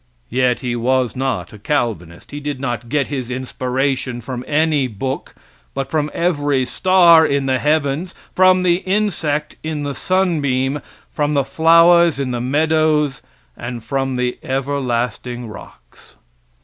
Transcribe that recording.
Yet he was not a Calvinist. He did not get his inspiration from any book, but from every star in the heavens, from the insect in the sunbeam, from the flowers in the meadows, and from the everlasting rocks.